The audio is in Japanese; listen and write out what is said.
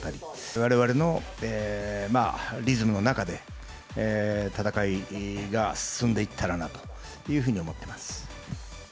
われわれのリズムの中で、戦いが進んでいったらなというふうに思ってます。